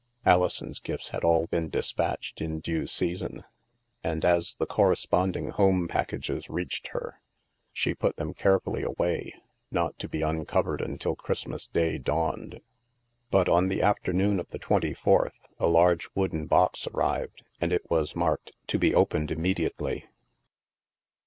Alison's gifts had all been despatched in due sea son. And as the corresponding home packages reached her, she put them carefully away, not to be uncovered until Christmas day dawned. But on the afternoon of the twenty fourth, a large wooden box arrived, and it was marked " to be opened immediately."